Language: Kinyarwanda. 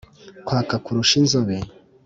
Kwaka kurusha inzobe